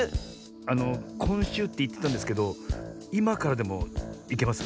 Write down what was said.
あのこんしゅうっていってたんですけどいまからでもいけます？